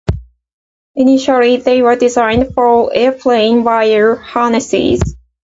Initially they were designed for airplane wire harnesses.